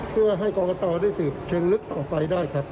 เพื่อให้กรกตได้สืบเชิงลึกต่อไปได้ครับ